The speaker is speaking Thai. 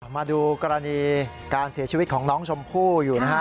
มาดูกรณีการเสียชีวิตของน้องชมพู่อยู่นะฮะ